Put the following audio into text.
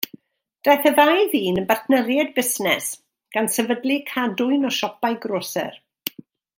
Daeth y ddau ddyn yn bartneriaid busnes gan sefydlu cadwyn o siopau groser.